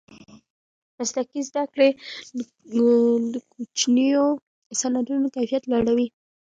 مسلکي زده کړې د کوچنیو صنعتونو کیفیت لوړوي.